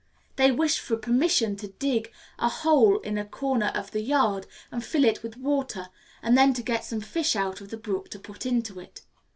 They wish for permission to dig a hole in a corner of the yard and fill it with water, and then to get some fish out of the brook to put into it.